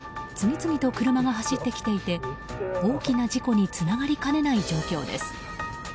しかも、対向車線の奥からは次々と車が走ってきていて大きな事故につながりかねない状況です。